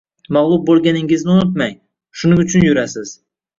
mag'lub bo'lganingizni unutmang, shuning uchun yurasiz